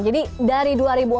jadi dari dua ribu empat belas